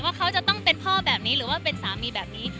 ว่าเขาจะต้องเป็นพ่อแบบนี้หรือว่าเป็นสามีแบบนี้